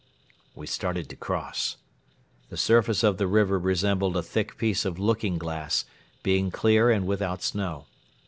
We started to cross. The surface of the river resembled a thick piece of looking glass, being clear and without snow.